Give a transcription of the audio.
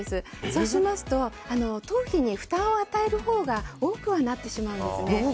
そうすると頭皮に負担を与えるほうが多くなってしまうんですね。